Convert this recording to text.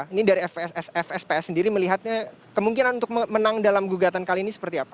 ini dari fsps sendiri melihatnya kemungkinan untuk menang dalam gugatan kali ini seperti apa